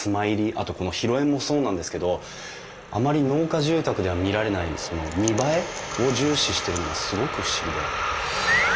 あとこの広縁もそうなんですけどあまり農家住宅では見られないその見栄えを重視してるのがすごく不思議で。